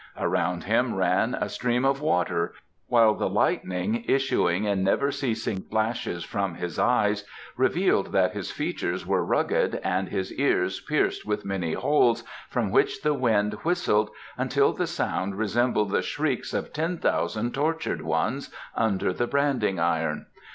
Around him ran a stream of water, while the lightning issuing in never ceasing flashes from his eyes revealed that his features were rugged and his ears pierced with many holes from which the wind whistled until the sound resembled the shrieks of ten thousand tortured ones under the branding iron.